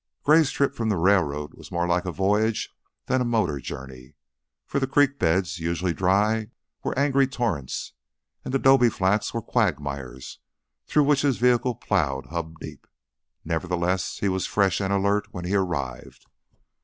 Gray's trip from the railroad was more like a voyage than a motor journey, for the creek beds, usually dry, were angry torrents, and the 'dobe flats were quagmires through which his vehicle plowed hub deep; nevertheless, he was fresh and alert when he arrived.